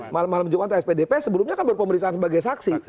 malam jumat spdp sebelumnya kan berpemeriksaan sebagai saksi